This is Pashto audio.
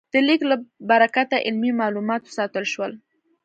د لیک له برکته علمي مالومات وساتل شول.